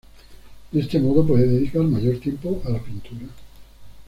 De este modo pudo dedicar mayor tiempo a la pintura.